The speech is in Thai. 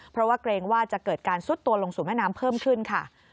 เพราะว่าเกรงว่าจะเกิดการซุดตัวลงสู่แม่น้ำเพิ่มขึ้นค่ะ